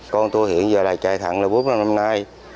con tôi hiện giờ là chạy thẳng là bốn mươi năm nay